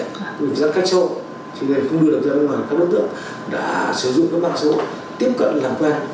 các đối tượng đã sử dụng các mạng số tiếp cận làm quen